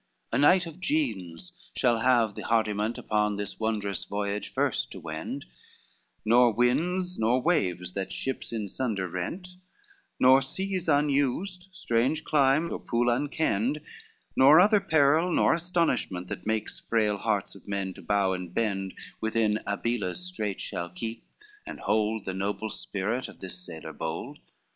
XXXI "A knight of Genes shall have the hardiment Upon this wondrous voyage first to wend, Nor winds nor waves, that ships in sunder rent, Nor seas unused, strange clime, or pool unkenned, Nor other peril nor astonishment That makes frail hearts of men to bow and bend, Within Abilas' strait shall keep and hold The noble spirit of this sailor bold.